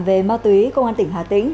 về ma túy công an tỉnh hà tĩnh